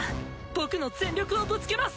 僕の全力をぶつけます！